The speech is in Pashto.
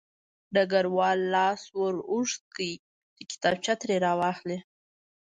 ډګروال لاس ور اوږد کړ چې کتابچه ترې راواخلي